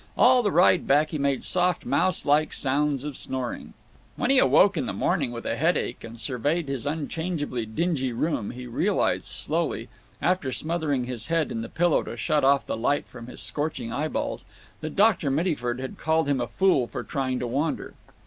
All the ride back he made soft mouse like sounds of snoring. When he awoke in the morning with a headache and surveyed his unchangeably dingy room he realized slowly, after smothering his head in the pillow to shut off the light from his scorching eyeballs, that Dr. Mittyford had called him a fool for trying to wander.